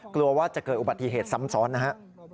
กลัวว่าจะเกิดอุบัติเหตุซ้ำซ้อนนะฮะ